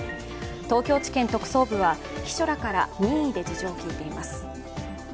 東京地検特捜部は秘書らから任意で事情を聴いています。